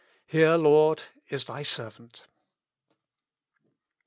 Here, Lord, is Thy servant."